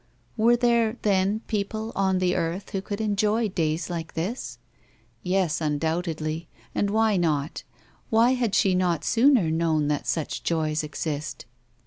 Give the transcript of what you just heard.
Were there, then, people on the earth who could enjoy days like this? Yes, undoubtedly! And why not? Why had she not sooner known that such joys exist?